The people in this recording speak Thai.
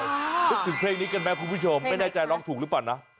นึกถึงเพลงนี้กันไหมคุณผู้ชมไม่แน่ใจร้องถูกหรือเปล่านะ